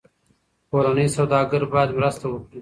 کورني سوداګر باید مرسته وکړي.